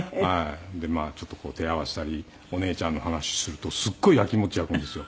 でまあちょっと手合わせたりお姉ちゃんの話をするとすっごいやきもち焼くんですよ。